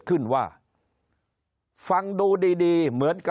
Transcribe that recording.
คนในวงการสื่อ๓๐องค์กร